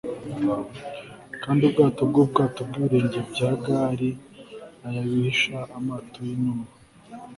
kandi ubwato bwubwato bwibirenge bya galilaya bihisha amato yinuma